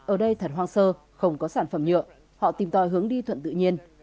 ở đây thật hoang sơ không có sản phẩm nhựa họ tìm tòi hướng đi thuận tự nhiên